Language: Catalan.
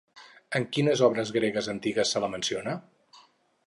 En quines obres gregues antigues se la menciona?